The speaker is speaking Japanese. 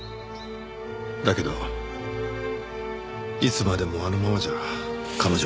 だけどいつまでもあのままじゃ彼女は。